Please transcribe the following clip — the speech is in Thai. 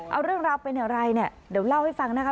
เอาเรื่องราวเป็นอย่างไรเนี่ยเดี๋ยวเล่าให้ฟังนะคะ